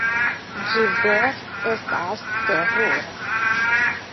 Ĝi vere estas terura.